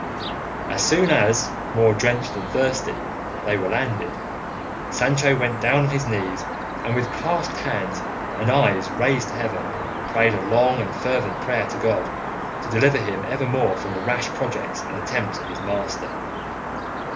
As soon as, more drenched than thirsty, they were landed, Sancho went down on his knees and with clasped hands and eyes raised to heaven, prayed a long and fervent prayer to God to deliver him evermore from the rash projects and attempts of his master.